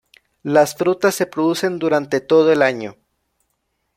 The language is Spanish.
Las frutas se producen durante todo el año.